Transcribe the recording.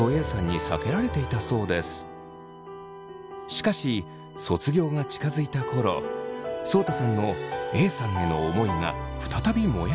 しかし卒業が近づいた頃そうたさんのＡさんへの思いが再び燃え上がります。